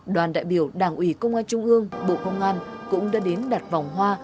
đoàn đại biểu đảng ủy công an trung ương bộ công an cũng đã đến đặt vòng hoa